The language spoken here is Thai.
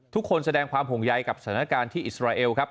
ทุกคนแสดงความห่วงใยกับสถานการณ์ที่อิสราเอลครับ